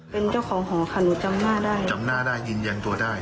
เป็นเจ้าของหอค่ะหนูจำหน้าได้จำหน้าได้ยืนยันตัวได้